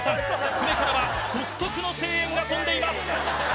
船からは独特の声援が飛んでいます。